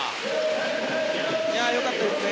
よかったですね。